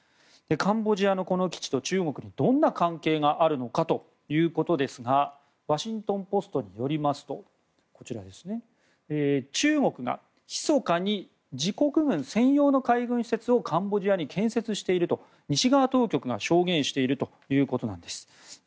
カンボジアの基地と中国とどんな関係があるのかということですがワシントン・ポストによりますと中国がひそかに自国軍専用の海軍施設をカンボジアに建設していると西側当局が証言しているということなんです。